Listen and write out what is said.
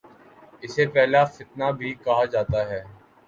اسے پہلا فتنہ بھی کہا جاتا ہے